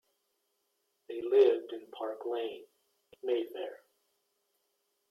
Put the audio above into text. They lived in Park Lane, Mayfair.